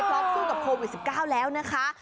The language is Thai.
สู้กับโควิด๑๙แล้วนะคะ